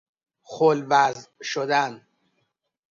خل وضع شدن